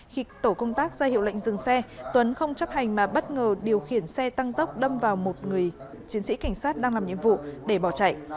khi tổ công tác ra hiệu lệnh dừng xe tuấn không chấp hành mà bất ngờ điều khiển xe tăng tốc đâm vào một người chiến sĩ cảnh sát đang làm nhiệm vụ để bỏ chạy